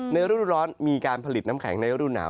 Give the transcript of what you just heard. รุ่นร้อนมีการผลิตน้ำแข็งในรูหนาว